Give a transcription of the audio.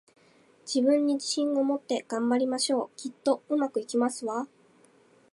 自分に自信を持って、頑張りましょう！きっと、上手くいきますわ